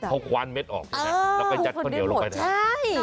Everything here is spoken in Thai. เขาควานเม็ดออกแล้วก็จัดข้าวเหนียวลงไป